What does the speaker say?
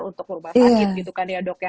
untuk berubah sakit gitu kan ya